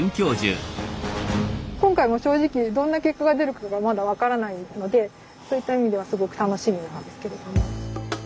今回もう正直どんな結果が出るかがまだ分からないのでそういった意味ではすごく楽しみなんですけれども。